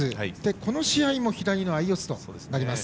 この試合も左の相四つとなります。